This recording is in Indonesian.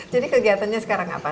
jadi kegiatannya sekarang apa